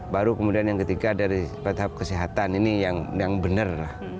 baru kemudian yang ketiga dari tahap kesehatan ini yang benar